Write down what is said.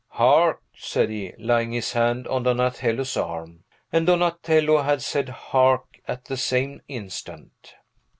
"Hark!" said he, laying his hand on Donatello's arm. And Donatello had said "Hark!" at the same instant.